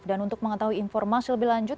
dan untuk mengetahui informasi lebih lanjut